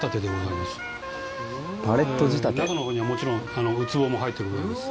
中の方にはもちろんウツボも入ってございます。